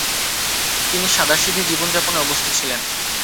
তিনি সাদাসিধে জীবন যাপনে অভ্যস্ত ছিলেন।